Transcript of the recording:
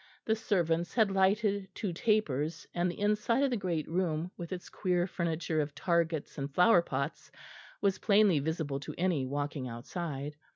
The servants had lighted two tapers, and the inside of the great room with its queer furniture of targets and flower pots was plainly visible to any walking outside.